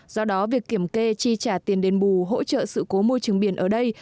do đó việc kiểm kê chi trả tiền đền bù hỗ trợ sự cố môi trường biển ở đây